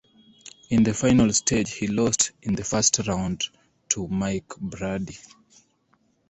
In the final stage he lost in the first round to Mike Brady.